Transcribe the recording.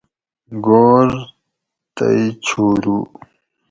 گھور تئ چھورو